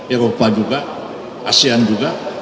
eropa juga asean juga